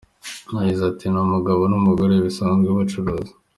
Yagize ati “Ni umugabo n’umugore we basanzwe bacuruza.